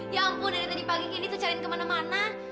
ya ampun dari tadi pagi gini tuh cariin kemana mana